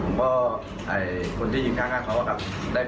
ผมก็คนที่ยิงข้างเขาว่าครับได้ปัดพื้นเนี่ย